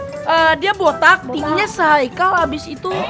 eee dia botak tingginya seheikal abis itu